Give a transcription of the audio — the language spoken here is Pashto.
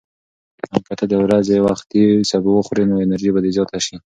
که ته د ورځې وختي سبو وخورې، نو انرژي به دې زیاته شي.